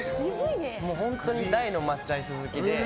本当に大の抹茶アイス好きで。